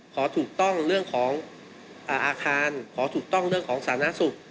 ขอถูกต้องเรื่องของอาคารขอถูกต้องเรื่องของสาธารณสุข